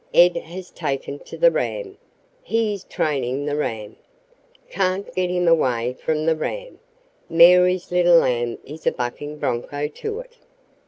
Ed has taken to the ram. He is training the ram. Can't get him away from the ram. Mary's little lamb is a 'bucking bronco' to it."